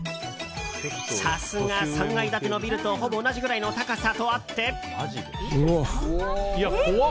さすが、３階建てのビルとほぼ同じくらいの高さとあって。